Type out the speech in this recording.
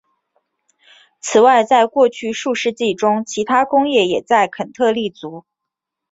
此外在过去数世纪中其它工业也在肯特立足。